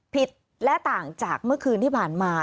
ผิดและต่างจากเมื่อคืนที่ผ่านมา